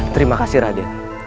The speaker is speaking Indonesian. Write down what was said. terima kasih raden